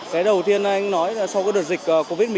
cái đầu tiên anh nói là sau cái đợt dịch covid một mươi chín